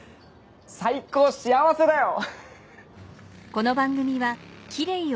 最高幸せだよ！